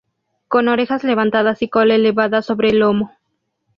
Con orejas levantadas y cola elevada sobre el lomo.